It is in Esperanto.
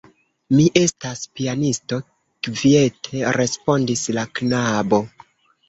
Mi estas pianisto, kviete respondis la knabo.